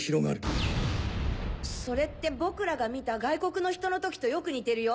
爆発音それって僕らが見た外国の人の時とよく似てるよ。